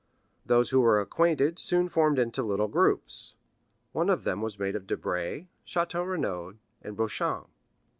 Those who were acquainted soon formed into little groups. One of them was made of Debray, Château Renaud, and Beauchamp.